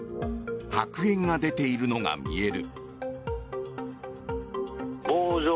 白煙が出ているのが見える。